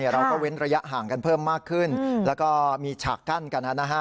เราก็เว้นระยะห่างกันเพิ่มมากขึ้นแล้วก็มีฉากกั้นกันนะฮะ